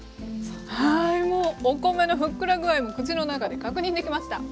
はいもうお米のふっくら具合も口の中で確認できました。